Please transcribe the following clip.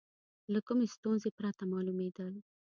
له کومې ستونزې پرته معلومېدل.